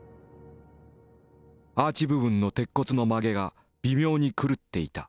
アーチ部分の鉄骨の曲げが微妙に狂っていた。